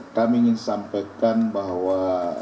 kami ingin sampaikan bahwa